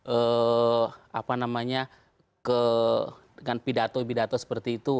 ee apa namanya dengan pidato pidato seperti itu